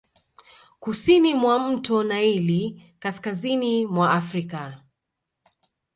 Kusini mwa mto Naili kaskazini mwa Afrika